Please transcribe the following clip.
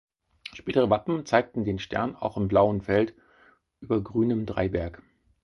Spätere Wappen zeigten den Stern auch im blauen Feld über grünem Dreiberg.